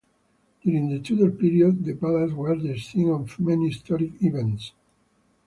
During the Tudor period, the palace was the scene of many historic events.